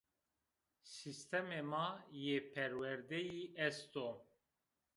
Sîstemê ma yê perwerdeyî est o